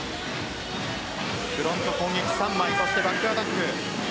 フロント攻撃、３枚バックアタック。